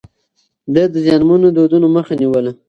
ده د زيانمنو دودونو مخه نيوله.